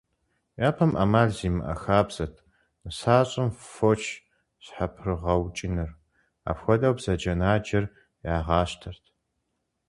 Япэм Ӏэмал зимыӀэ хабзэт нысащӀэм фоч щхьэпрыгъэукӀыныр – апхуэдэу бзаджэнаджэр ягъащтэрт.